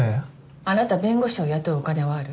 あなた弁護士を雇うお金はある？